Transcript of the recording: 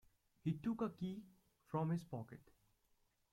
He took a key from his pocket.